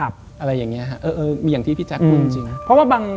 อะไรอย่างเงี้ยมีอย่างที่พี่แจ๊คพูดจริง